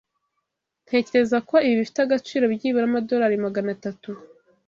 Ntekereza ko ibi bifite agaciro byibura amadorari magana atatu.